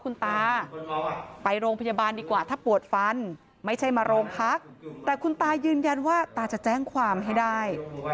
คุณตาไปโรงพยาบาลดีกว่าถ้าปวดฟันไม่ใช่มาโรงพักแต่คุณตายืนยันว่าตาจะแจ้งความให้ได้